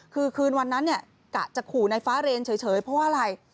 คือคืนวันนั้นเนี่ยกะจะขู่ในฟ้าเรนเฉยเพราะว่าอะไร